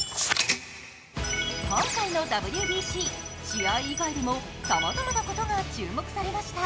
今回のＷＢＣ、試合以外にもさまざまなことが注目されました。